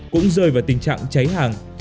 cũng rơi vào tình trạng cháy hàng